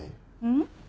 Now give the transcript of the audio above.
ん？